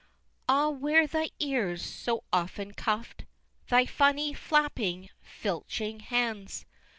X. Ah, where thy ears, so often cuff'd! Thy funny, flapping, filching hands!